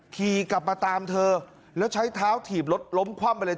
ขี่กลับมาตามเธอแล้วใช้เท้าถีบรถล้มคว่ำไปเลย